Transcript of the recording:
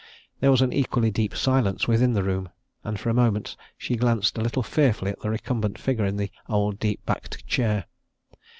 There was an equally deep silence within the room and for a moment she glanced a little fearfully at the recumbent figure in the old, deep backed chair.